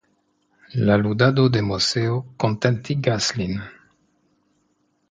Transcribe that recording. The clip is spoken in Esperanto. La ludado de Moseo kontentigas lin.